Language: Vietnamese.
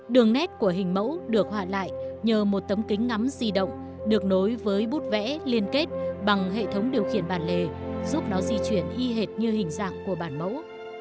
đường nét của hình mẫu được họa lại nhờ một tấm kính ngắm di động được nối với bút vẽ liên kết bằng hệ thống điều khiển bản lề giúp nó di chuyển y hệt như hình dạng của bản mẫu